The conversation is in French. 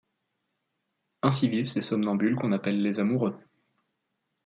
Ainsi vivent ces somnambules qu’on appelle les amoureux.